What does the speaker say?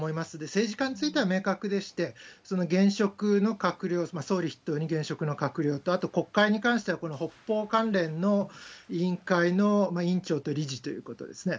政治家については明確でして、現職の閣僚、総理筆頭に現職の閣僚と、あと国会に関しては、北方関連の委員会の委員長と理事ということですね。